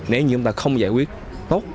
nếu như người ta không giải quyết tốt